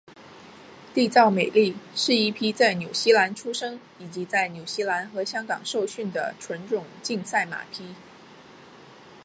缔造美丽是一匹在纽西兰出生以及在纽西兰和香港受训的纯种竞赛马匹。